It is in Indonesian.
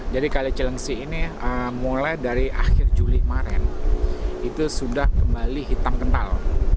jadi kali cilengsi ini mulai dari akhir juli kemarin itu sudah kembali hitam kental